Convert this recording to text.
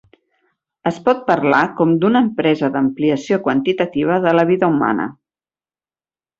Es pot parlar com d'una empresa d'ampliació quantitativa de la vida humana.